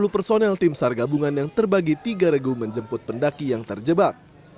sepuluh personel tim sar gabungan yang terbagi tiga regu menjemput pendaki yang terjebak